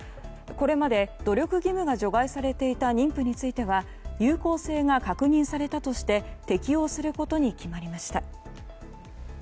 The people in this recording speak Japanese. これまで努力義務が除外されていた妊婦については有効性が確認されたとして適用することに決まりました。